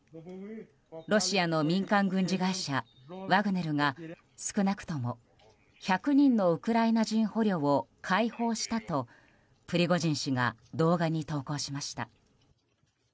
ロシアの民間軍事会社ワグネルが少なくとも１００人のウクライナ人捕虜を解放したとプリゴジン氏が動画に投稿しました。